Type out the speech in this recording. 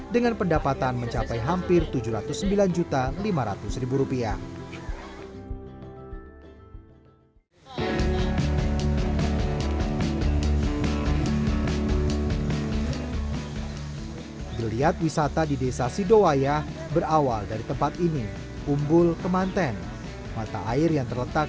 dengan pendapatan mencapai hampir tujuh ratus sembilan juta lima ratus ribu rupiah